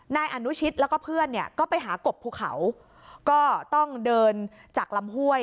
นายอนุชิตแล้วก็เพื่อนเนี่ยก็ไปหากบภูเขาก็ต้องเดินจากลำห้วย